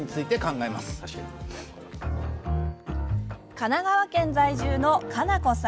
神奈川県在住のかなこさん。